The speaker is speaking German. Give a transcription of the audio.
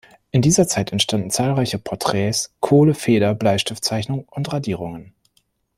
In dieser Zeit entstanden zahlreiche Porträts, Kohle-, -Feder-, Bleistiftzeichnungen und Radierungen.